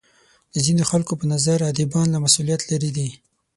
د ځینو خلکو په نظر ادیبان له مسولیت لرې دي.